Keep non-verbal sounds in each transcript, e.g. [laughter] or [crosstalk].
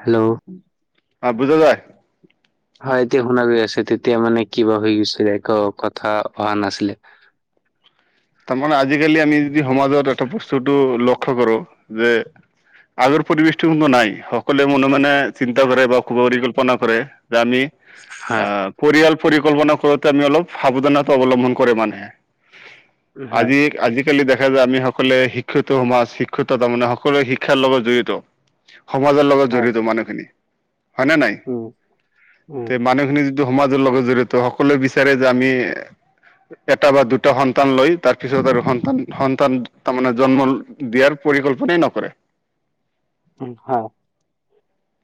Hello অ' বুজা যায়। [unintelligible] [inaudible] হয়, এতিয়া শুনা গৈ আছে, তেতিয়া মানে কিবা হৈ গৈছিলে, ত কথা অহা নাছিলে। তাৰমানে, আজিকালি আমি যদি সমাজত এটা বস্তুটো লক্ষ্য কৰোঁ। যে আগৰ পৰিৱেশটো কিন্তু নাই, সকলোৱে মনে- মনে চিন্তা কৰে বা পৰিকল্পনা কৰে। যে আমি হয় আহ, পৰিয়াল পৰিকল্পনা কৰোঁতে আমি অলপ সাৱধানতা অৱলম্বন কৰে মানুহে। হয় আজি আজিকালি দেখা যায় আমি সকলোৱে শিক্ষিত সমাজ, শিক্ষিত তাৰ মানে সকলোৱে শিক্ষাৰ লগত জড়িত। সমাজৰ লগত হয় জড়িত মানুহখিনি হয়নে নাই? উম' উম' যে মানুহখিনি যিটো সমাজৰ লগত জড়িত সকলোৱে বিচাৰে যে আমি এটা বা দুটা সন্তান লৈ তাৰপিছত আৰু সন্তান-সন্তান তাৰমানে জন্ম দিয়াৰ পৰিকল্পনাই নকৰে। উম' হয়।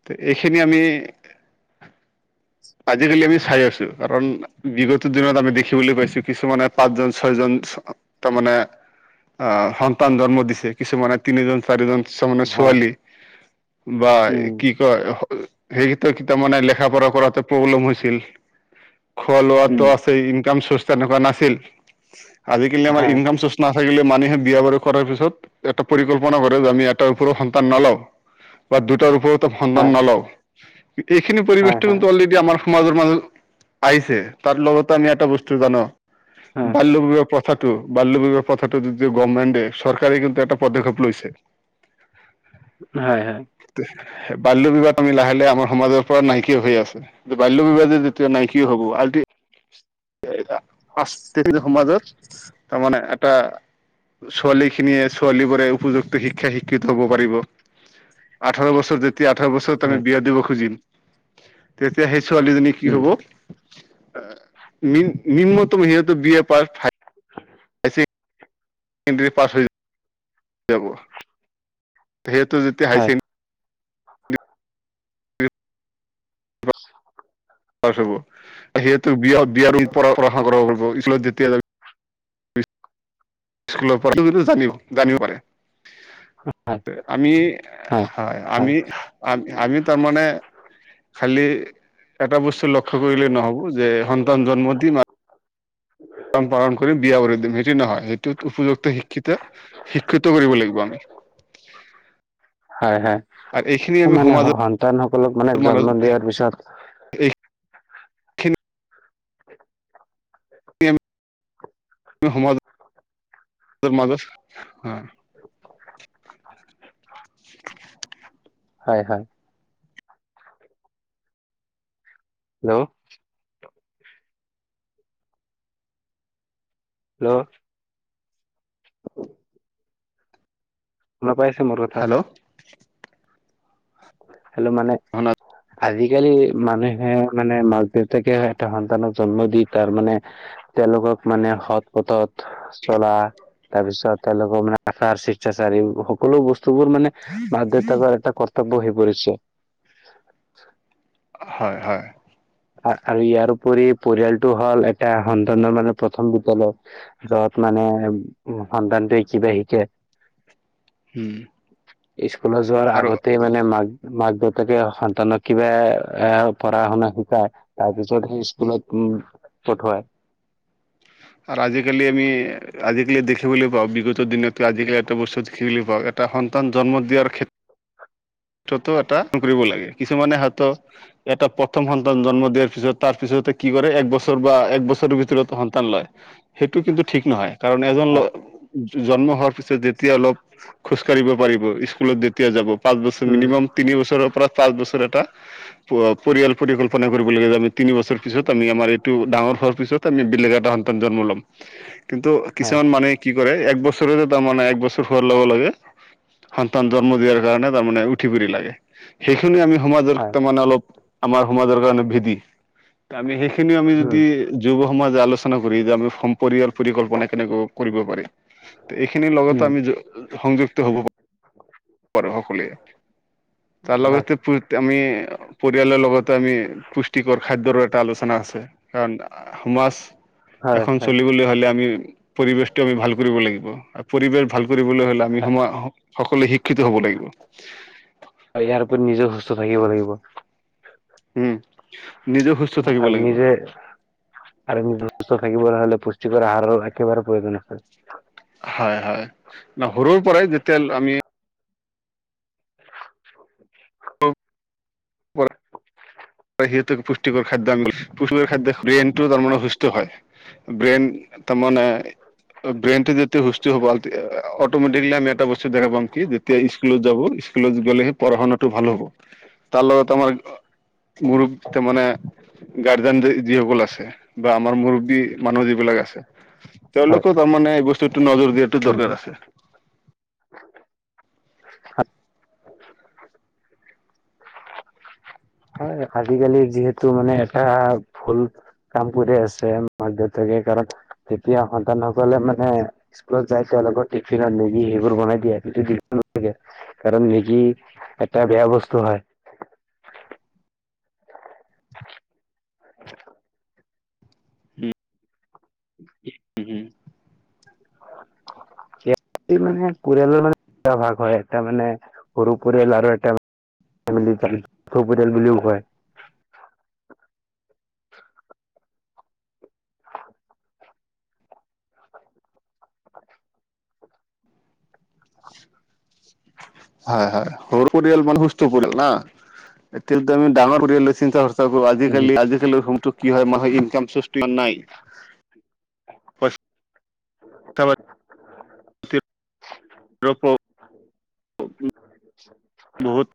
তে এইখিনি আমি [inaudible] আজিকালি আমি চাই আছোঁ কাৰণ বিগত দিনত, আমি দেখিবলৈ পাইছো, কিছুমানে পাঁচজন, ছয়জন চ তাৰমানে আহ, সন্তান জন্ম দিছে, কিছুমানে তিনিজন, চাৰিজন কিছুমানে হয় ছোৱালী বা উম এ কি কয়, সেইটো তাৰমানে লেখা-পঢ়া কৰাতে প্ৰব্লেম হৈছিল। উম খোৱা-লোৱাতো আছেই, ইনকাম চৰ্চ তেনেকুৱা নাছিল। আজিকালি আমাৰ হয় ইনকাম চৰ্চটো নাথাকিলে মানুহে বিয়া বাৰু কৰাৰ পিছত এটা পৰিকল্পনা কৰে যে, আমি এটা ওপৰ সন্তান নলওঁ। বা দুটাৰ ওপৰতে সন্তান হয় নলওঁ, এইখিনি হয় পৰিৱেশটো হয় কিন্তু অলৰেডি আমাৰ সমাজৰ মাজত আহিছে। তাৰ লগতে আমি এটা বস্তু জানোঁ, হয় বাল্যবিবাহ পথ প্ৰথাটো বাল্য বিবাহ প্ৰথাটো যদি গভৰ্মেণ্টে চৰকাৰে কিন্তু এটা পদক্ষেপ লৈছে। হয় হয়। বাল্য বিবাহ আমি লাহে-লাহে আমাৰ সমাজৰ পৰা নাইকিয়া হৈ আছে। বাল্য বিবাহ যেতিয়া নাই কি হ'ব এ সাংস্কৃতিক সমাজত তাৰমানে এটা ছোৱালী খিনিয়ে ছোৱালী বোৰে উপযুক্ত শিক্ষা শিক্ষিত হ'ব পাৰিব। আঠৰ বছৰ যেতিয়া আঠৰ বছৰত আমি হয় বিয়া দিব খুজিম, তেতিয়া সেই ছোৱালীজনী কি উম হ'ব উম' নিন্নতম মহি বি এ প ফ ঠিক আছে। কিন্তু এই পাছ হৈ যাব। [unintelligible] সিহঁতে যেতিয়া হয় হাইছিল হ সিহেতু বিয়া বিয়া ৰুা কৰা স্কুলত যেতিয়া য স্কুলৰ পৰা কিন্তু জানিব জানিব পাৰে। হয় আমি হয় আমি। আ-আমি তাৰমানে খালি এটা বস্তু ল ক্ষ কৰিলে নহব যে সন্তান জন্ম দি পালন কৰিম বিয়া কৰি দিম, সেইটো নহয় সেইটোত উপযুক্ত শিক্ষিত শিক্ষিত কৰিব লাগিব আমি। হয়, হয় আৰু এইখিনি আমি মানে সমাজত সন্তান সকলক মানে জন্ম মাজত দিয়া তাৰপিছত এইখিনি [unintelligible] হয় হয়। হেল্ল'? হেল্ল'। লব আহিছে মোৰ কথা। হেল্ল' হেল্ল' মানে। আজিকালি মানুহে মানে মাক দেউতাকে এটা সন্তানক জন্ম দি তাৰ মানে তেওঁলোকক মানে সৎ পথত চলা তাৰপিছত তেওঁলোকৰ মানে আহাৰ শিকাচাৰী সকলো বস্তুবোৰ মানে বাধ্যতা কৰ এটা কৰ্তব্য হৈ পৰিছে। হয়, হয়। আৰু ইয়াৰ উপৰি পৰিয়ালটো হ'ল এটা সন্তানৰ মানে প্ৰথম বিদলত। যত মানে সন্তানটোৱে কিবা শিকে। উম। স্কুলত যোৱাৰ আৰু আগতে মানে মাক মাক দেউতাকে সন্তানক কিবা পঢ়া শুনা শিকায়, তাৰ পিছত হে স্কুলত উম, পথুৱাই। আৰু আজিকালি আমি আজিকালি দেখিবলৈ পাওঁ বিগত দিনত আজিকালি এটা বস্তু দেখিবলৈ পাওঁ এটা সন্তান জন্ম দিয়াৰ ক্ষেত্ৰত এটা কৰিব লাগে। কিছুমানে হাতত এটা প্ৰথম সন্তান জন্ম দিয়াৰ পিছত তাৰ পিছতে কি কৰে এক বছৰ বা এক বছৰৰ ভিতৰতো সন্তান লয়। সেইটো কিন্তু ঠিক নহয়। কাৰণ এজন হয় জন্ম হোৱাৰ পিছত যেতিয়া অলপ খোজ কাঢ়িব পাৰিব, স্কুলত যেতিয়া যাব, পাঁচ বছৰ উম মিনিমাম তিনি বছৰ পৰা পাঁচ বছৰ এটা পৰিয়াল পৰিকল্পনা কৰিব লাগে যে আমি তিনি বছৰ পিছত আমি আমাৰ এই টো ডাঙৰ হোৱাৰ পিছত আমি বেলেগ এটা সন্তান জন্ম ল'ম। কিন্তু হয় কিছুমান মানে কি কৰে এক বছৰে তাৰমানে এক বছৰ হোৱাৰ ল'ব লাগে সন্তান জন্ম দিয়াৰ কাৰণে তাৰমানে উঠি পুৰি লাগে। সেইখিনি আমি সমাজক হয় তাৰ মমানে অলপ আমাৰ সমাজৰ কাৰণে ভিদি। আমি সেইখিনি আমি উম যদি যুৱ সমাজ আলোচনা যে আমি সম্প পৰিকল্পনা কেনেকৈ কৰিব পাৰি। এইখিনি লগতে উম আমি সংযুক্ত হ'ব পৰে সকলোৱে। তাৰ হয় লগতে আমি পৰিয়ালৰ লগতো আমি পুষ্টিকৰ খাদ্যৰো এটা আলোচনা আছে, কাৰণ সমাজ হয় এখন হয় চলিবলৈ হলে আমি পৰিবেশটো আমি ভাল কৰিব লাগিব। আৰু পৰিবেশ ভাল কৰিবলৈ হলে আমি হয় সময় সকলোৱে শিক্ষিত হ'ব লাগিব। ইয়াৰ উপৰি নিজেও সুস্থ থাকিব লাগিব। উম, নিজেও সুস্থ থাকিব আৰু লাগিব। নিজে আৰু সুস্থ থাকিবলৈ হ'লে পুষ্টিকৰ আহাৰৰ একেবাৰে প্ৰয়োজন আছে। হয়, হয় সৰুৰ পৰাই যেতিয়া আমি সিঁহতৰ পুষ্টিকৰ খাদ্য আমি পুষ্টিকৰ খাদ্য বব্ৰেইন তাৰ মানে সুস্থ হয়। ব্ৰেইন তাৰ মানে ব্ৰেইন টো যতিয়া সুস্থ হব অটমেটিকলি আমি এটা বস্তু দেখা পাম কি তেতিয়া স্কুলত যাব, স্কুলত গলেহে পঢ়া শুনাটো ভাল হ'ব। তাৰ লগত আমাৰ, গুৰুক তাৰ মানে গাৰ্জেন যিসকল আছে, বা আমাৰ মুৰববী মানুহ যিবিলাক আছে হয় তেওঁলোকৰ তাৰমানে এই বস্তুটো নজৰ দিয়াটো উম দৰকাৰ আছে। হয় আজিকালি যিহেতু মানে এটা ভুল কাম কৰি আছে মেক দেউতাকে কাৰণ তেতিয়া সন্তানসকলে মানে স্কুলত যাই তেওঁলোকৰ টিফিনত মেগি সেইবোৰ বনাই দিয়ে গোটেই দিনটো কাৰণ মেগী এটা বেয়া বস্তু হয়। উম। উ হম, হম। অ ই মানে পৰিয়ালৰ মানে এটা ভাগ হয়, এটা মানে সৰু পৰিয়াল আৰু এটা [unintelligible] চৌ পৰিয়াল বুলিও কয়। হয়, হয় সৰু পৰিয়াল মানে সুস্থ পৰিয়াল না। এতিয়াটো আমি ডাঙৰ পৰিয়াললে চিন্তা উম আজিকালি-আজিকালি হোমটো কি হয় মাহৰ ইনকাম সৌৰ্চ তো ইমান নাই। পইচা পাতি [unintelligible] বহুত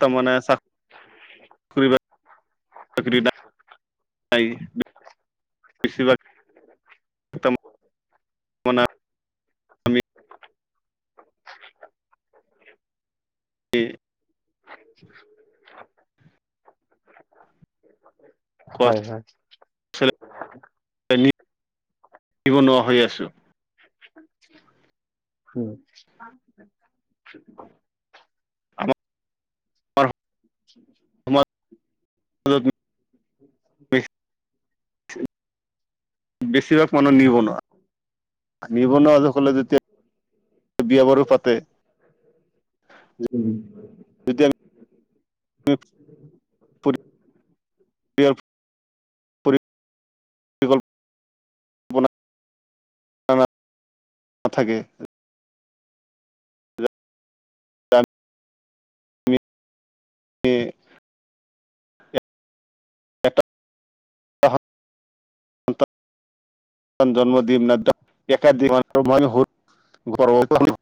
তাৰমানে [unintelligible] [unintelligible] তাৰমানে আমি [unintelligible] হয়, হয়। [unintelligible] নোৱাৰা হৈ আছো। উম। আ [unintelligible] উ আমাৰ [inaudible] বেছিভাগ মানুহ নিবনুৱা। নিবনুৱা সকলে যেতিয়া বিয়া বাৰু পাতে উম। যদি আমি [inaudible] পৰি-কল- পনা নাথাকে [inaudible] এটা জন্ম দিম না এক দিন [inaudible]